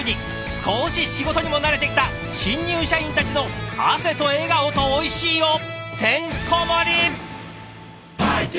少し仕事にも慣れてきた新入社員たちの汗と笑顔とおいしいをてんこ盛り！